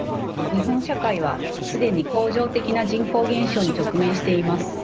日本社会は既に恒常的な人口減少に直面しています。